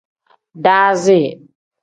Daazi.